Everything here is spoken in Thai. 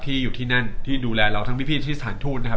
อยู่ที่นั่นที่ดูแลเราทั้งพี่ที่สถานทูตนะครับ